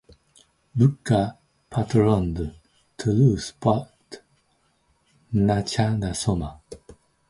Bukka patronised Telugu poet Nachana Soma.